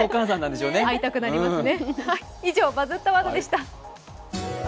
会いたくなりますね。